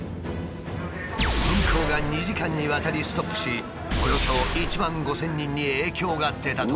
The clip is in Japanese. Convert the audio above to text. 運行が２時間にわたりストップしおよそ１万５，０００人に影響が出たという。